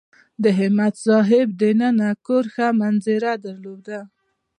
د همت صاحب دننه کور ښه منظره درلوده.